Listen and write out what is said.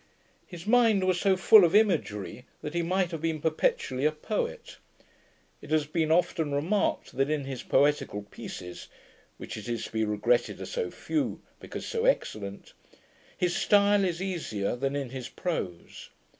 His mind was so full of imagery, that he might have been perpetually a poet. It has been often remarked, that in his poetical pieces, which it is to be regretted are so few, because so excellent, his style is easier than in his prose.